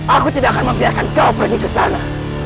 aku tidak akan membiarkan kau pergi kesana